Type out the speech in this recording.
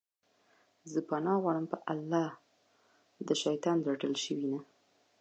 زه پناه غواړم په الله د شيطان رټلي شوي نه